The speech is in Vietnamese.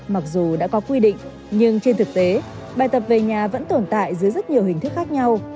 mặc dù đã có quy định nhưng trên thực tế bài tập về nhà vẫn tồn tại dưới rất nhiều hình thức khác nhau